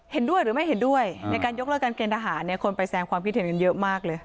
เห็นด้วยหรือไม่เห็นด้วยในการยกเลิกการเกณฑหารเนี่ยคนไปแสงความคิดเห็นกันเยอะมากเลย